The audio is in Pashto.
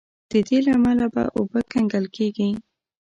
د دې له امله به اوبه کنګل کیږي.